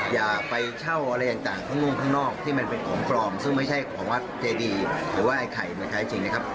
อย่าไปเช่าอะไรต่างข้างนู้นข้างนอกที่มันเป็นของปลอมซึ่งไม่ใช่ของวัดเจดีหรือว่าไอ้ไข่มันแท้จริงนะครับ